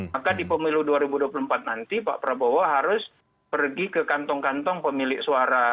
maka di pemilu dua ribu dua puluh empat nanti pak prabowo harus pergi ke kantong kantong pemilik suara